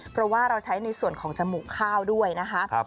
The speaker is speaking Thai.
เพราะว่าเราใช้ในส่วนของจมูกข้าวด้วยนะคะ